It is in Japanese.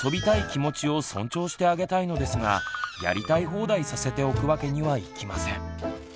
気持ちを尊重してあげたいのですがやりたい放題させておくわけにはいきません。